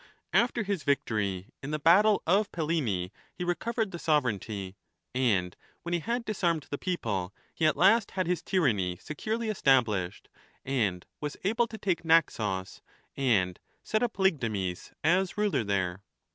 After his victory in the battle at Pallene he recovered the sovereignty, and when he had disarmed the people he at last had his tyranny securely established, and was able to take Naxos and set up Lygdamis as ruler there.